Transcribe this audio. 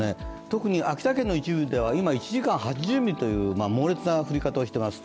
特に秋田県の一部では今、１時間８０ミリという猛烈な降り方をしています。